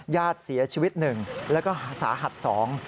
ญาติเสียชีวิตหนึ่งแล้วก็สาหัสสอง